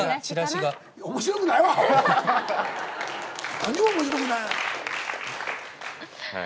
何にも面白くない。